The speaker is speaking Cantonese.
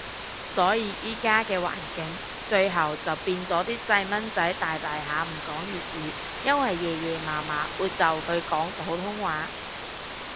所以依家嘅環境，最後就變咗啲細蚊仔大大下唔講粵語，因為爺爺嫲嫲會就佢講普通話